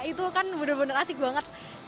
itu kan bener bener asik banget